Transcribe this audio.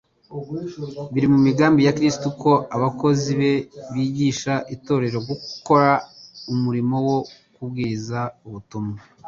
Biri mu migambi ya Kristo ko abakozi be bigisha itorero gukora umurimo wo kubwiriza ubutumwa.